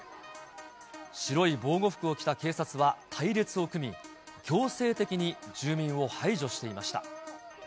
白い防護服を着た警察は隊列を組み、強制的に住民を排除していました。